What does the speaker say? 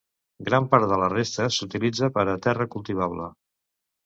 Gran part de la resta s'utilitza per a terra cultivable.